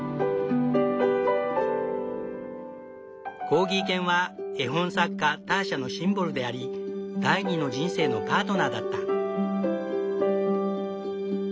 コーギー犬は絵本作家ターシャのシンボルであり第二の人生のパートナーだった。